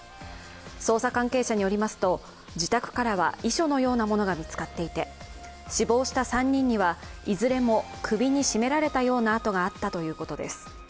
捜査関係者によりますと、自宅からは遺書のようなものが見つかっていて死亡した３人には、いずれも首に絞められた痕があったということです。